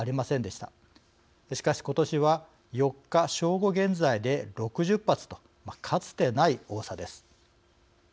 しかし、今年は４日正午現在で６０発と、かつてない多さです。